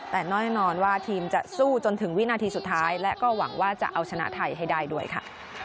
แต่แน่นอนว่าทีมจะสู้จนถึงวินาทีสุดท้ายและก็หวังว่าจะเอาชนะไทยให้ได้ด้วยค่ะ